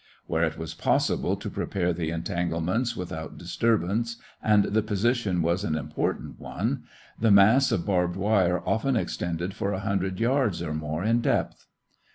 Where it was possible to prepare the entanglements without disturbance and the position was an important one, the mass of barbed wire often extended for a hundred yards or more in depth.